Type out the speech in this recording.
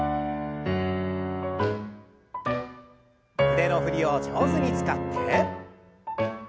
腕の振りを上手に使って。